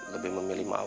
lebih memilih mau